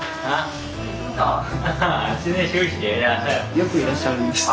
よくいらっしゃるんです。